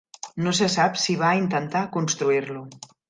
No se sap si va intentar construir-lo.